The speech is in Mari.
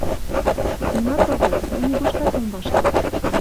— Нимат огыл, мый нигушкат ом вашке.